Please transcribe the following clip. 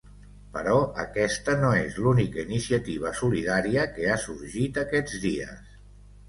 Però aquesta no és l’única iniciativa solidària que ha sorgit aquests dies.